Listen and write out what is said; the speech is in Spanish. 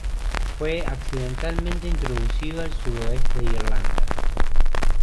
Fue accidentalmente introducido al sudoeste de Irlanda.